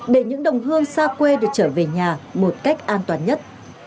để những đồng hương xa quê được trở về nhà một cách an toàn nhất